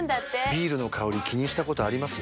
ビールの香り気にしたことあります？